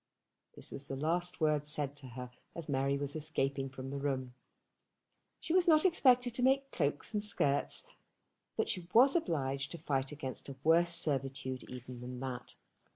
This was the last word said to her as Mary was escaping from the room. She was not expected to make cloaks and skirts, but she was obliged to fight against a worse servitude even than that.